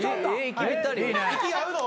・息合うの？